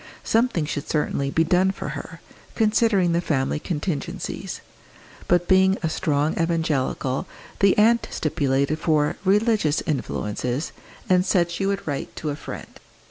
Something should certainly be done for her considering the family contingencies. But being a strong evangelical, the aunt stipulated for "religious influences," and said she would write to a friend.